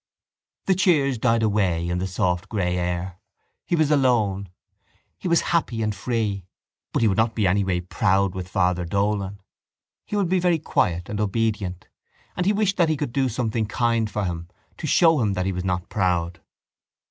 The cheers died away in the soft grey air. He was alone. He was happy and free: but he would not be anyway proud with Father Dolan. He would be very quiet and obedient: and he wished that he could do something kind for him to show him that he was not proud.